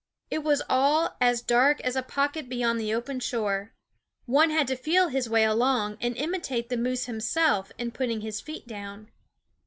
It was all as dark as a pocket beyond the open shore. One had to feel his way along, and imitate the moose himself in putting his feet down.